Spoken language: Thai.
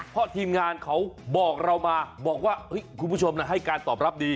เพราะทีมงานเขาบอกเรามาบอกว่าคุณผู้ชมให้การตอบรับดี